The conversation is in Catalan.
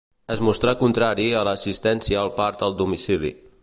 Es mostrà contrari a l'assistència al part al domicili.